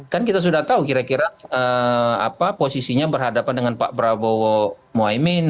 kan kita sudah tahu kira kira posisinya berhadapan dengan pak prabowo mohaimin